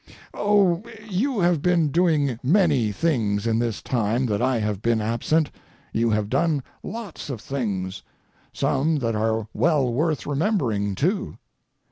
Oh, you have been doing many things in this time that I have been absent; you have done lots of things, some that are well worth remembering, too.